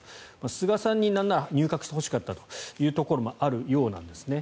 菅さんになんなら入閣してほしかったところもあるようなんですね。